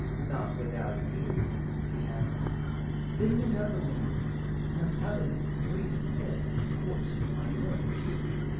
"Not without you," he answered, bending over me, and a sudden, brief kiss scorched my lips.